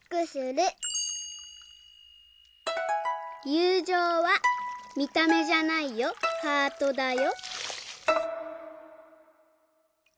「ゆうじょうは見た目じゃないよハートだよ」。